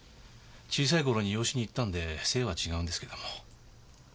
小さい頃に養子にいったんで姓は違うんですけども。